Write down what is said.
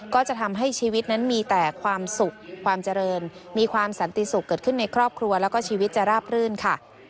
ก็จะทำให้ชีวิตนั้นมีแต่ความสุขความเจริญมีความสันติสุขเกิดขึ้นในครอบครัวแล้วก็ชีวิตจะราบรื่นค่ะ